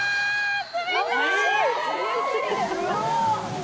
冷たい！